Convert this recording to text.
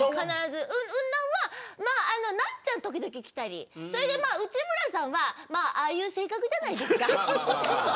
ウンナンはナンチャンは時々来たり内村さんはああいう性格じゃないですか。